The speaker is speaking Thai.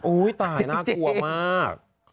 โอ้ยตายน่ากลัวมาก